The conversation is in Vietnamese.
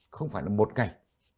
không phải là một ngày